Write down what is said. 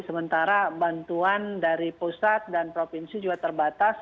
sementara bantuan dari pusat dan provinsi juga terbatas